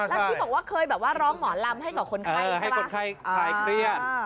แล้วที่บอกว่าเคยร้องหมอลำให้กับคนไข้ใช่ปะ